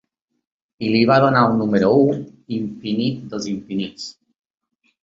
I li va donar el número u, l'infinit dels infinits.